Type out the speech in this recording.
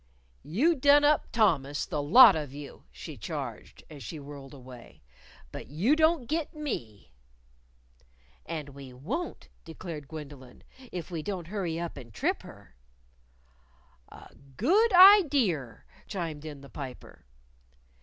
"You done up Thomas, the lot of you," she charged, as she whirled away. "But you don't git me." "And we won't," declared Gwendolyn, "if we don't hurry up and trip her." "A good idear!" chimed in the Piper.